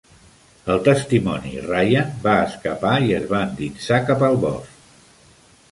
El testimoni Ryan va escapar i es va endinsar cap al bosc.